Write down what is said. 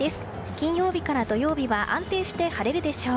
金曜日から土曜日は安定して晴れるでしょう。